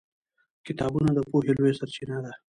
کتابونه د پوهې لویه سرچینه ده